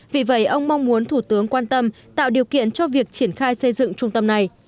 vì vậy ông mong muốn thủ tướng quan tâm tạo điều kiện cho việc triển khai xây dựng trung tâm này